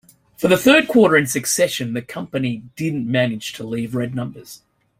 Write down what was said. For the third quarter in succession, the company didn't manage to leave red numbers.